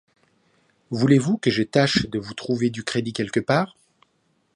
Voulez-vous que je tâche de vous trouver du crédit quelque part?